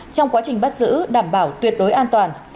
trong quá trình bắt giữ đảm bảo tuyệt đối an toàn